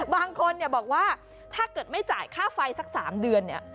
บางคนบอกว่าถ้าเกิดไม่จ่ายค่าไฟสัก๓เดือนเนี่ย